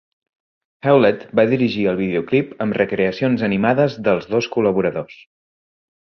Hewlett va dirigir el videoclip amb recreacions animades dels dos col·laboradors.